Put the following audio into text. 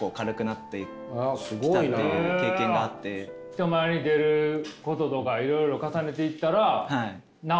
人前に出ることとかいろいろ重ねていったら治ってきた？